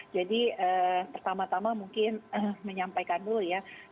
pertama tama mungkin menyampaikan dulu ya